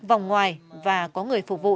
vòng ngoài và có người phục vụ